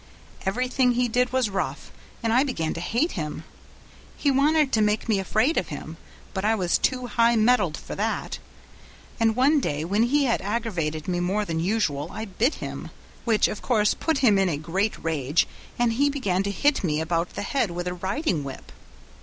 Everything he did was rough, and I began to hate him; he wanted to make me afraid of him, but I was too high mettled for that, and one day when he had aggravated me more than usual I bit him, which of course put him in a great rage, and he began to hit me about the head with a riding whip.